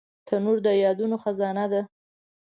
تنور د یادونو خزانه ده